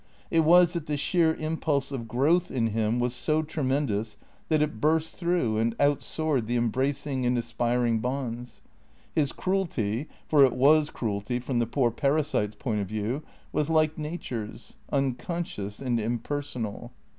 It was that the sheer impulse of growth in him was so tremendous that it burst through and out soared the em bracing and aspiring bonds. His cruelty (for it was cruelty from the poor parasite's point of view) was like Nature's, un conscious and impersonal.